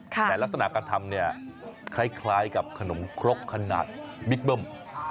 แต่ลักษณะการทำเนี่ยคล้ายกับขนมครกขนาดบิ๊กเบิ้ม